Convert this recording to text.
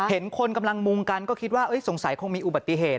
เห็นคนกำลังมุงกันก็คิดว่าสงสัยคงมีอุบัติเหตุ